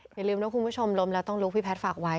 อย่าลืมนะคุณผู้ชมล้มแล้วต้องลุกพี่แพทย์ฝากไว้